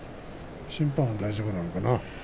審判は大丈夫なのかな。